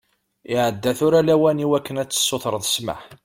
Iɛedda tura lawan i wakken ad tsutreḍ ssmaḥ.